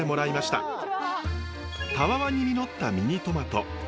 たわわに実ったミニトマト。